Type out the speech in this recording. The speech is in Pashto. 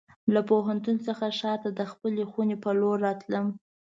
له پوهنتون څخه ښار ته د خپلې خونې په لور راتلم.